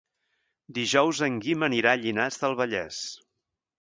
Dijous en Guim anirà a Llinars del Vallès.